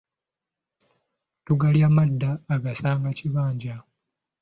Tugalya madda, asanga kibanja.